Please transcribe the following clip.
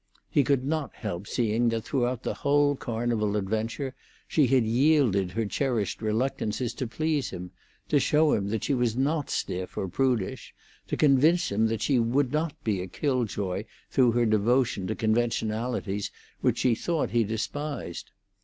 He could not help seeing that throughout the whole Carnival adventure she had yielded her cherished reluctances to please him, to show him that she was not stiff or prudish, to convince him that she would not be a killjoy through her devotion to conventionalities which she thought he despised.